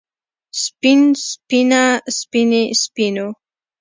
سپين سپينه سپينې سپينو